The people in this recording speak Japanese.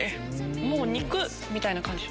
もう肉みたいな感じ。